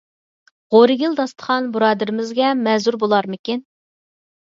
غورىگىل داستىخان بۇرادىرىمىزگە مەزۇر بولارمىكىن؟